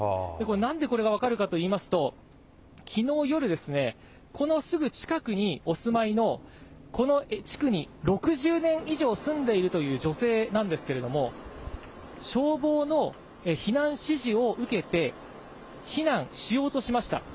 なんでこれが分かるかといいますと、きのう夜、このすぐ近くにお住まいの、この地区に６０年以上住んでいるという女性なんですけれども、消防の避難指示を受けて、避難しようとしました。